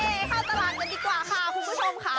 เข้าตลาดกันดีกว่าค่ะคุณผู้ชมค่ะ